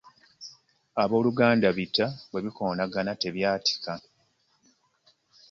Aboluganda bitta, bwebikonagana tebyaatika.